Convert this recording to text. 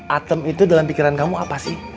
atem itu dalam pikiran kamu apa sih